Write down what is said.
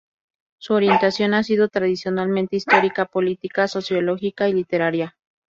Su orientación ha sido tradicionalmente histórica, política, sociológica y literaria.